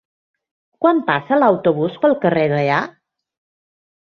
Quan passa l'autobús pel carrer Gaià?